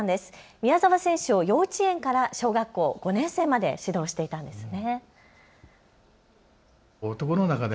宮澤選手を幼稚園から小学校５年生まで指導していたんですね。